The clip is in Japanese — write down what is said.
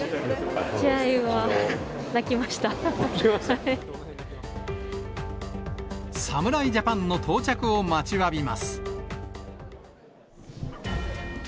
試合は、泣きまし侍ジャパンの到着を待ちわびます。